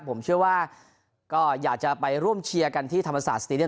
ผมเชื่อว่าก็อยากจะไปร่วมเชียร์กันที่ธรรมศาสตรีเรียน